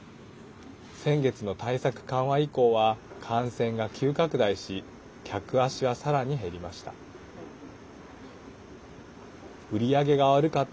先月の対策緩和以降は感染が急拡大し客足は、さらに減りました。